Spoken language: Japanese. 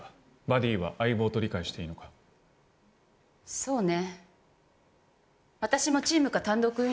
バディは相棒と理解していいのかな？